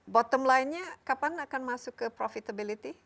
bottom line nya kapan akan masuk ke profitability